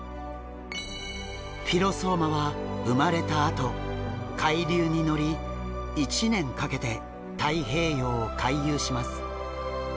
フィロソーマは生まれたあと海流に乗り１年かけて太平洋を回遊します。